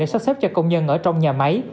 sắp xếp cho công nhân ở trong nhà máy